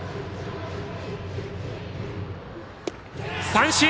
三振！